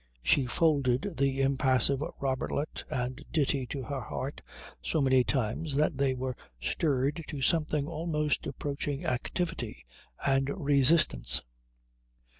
She folded the impassive Robertlet and Ditti to her heart so many times that they were stirred to something almost approaching activity and resistance.